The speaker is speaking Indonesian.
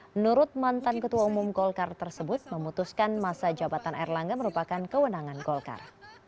menurut mantan ketua umum golkar tersebut memutuskan masa jabatan erlangga merupakan kewenangan golkar